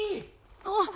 あっ！